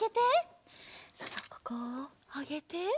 そうそうここをあげて。